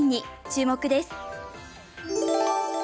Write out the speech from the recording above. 注目です。